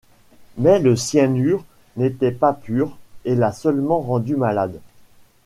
Mais le cyanure n'était pas pur et l'a seulement rendu malade.